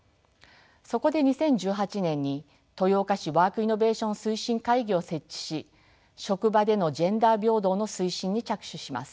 そこで２０１８年に豊岡市ワークイノベーション推進会議を設置し職場でのジェンダー平等の推進に着手します。